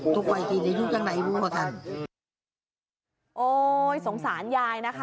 ทุกวัยก็ได้พูดด้านในดูว่าทันโอ้ยสงสารยายนะคะ